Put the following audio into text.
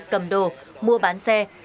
cầm đồ mua bán xe